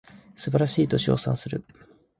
素晴らしいと称賛する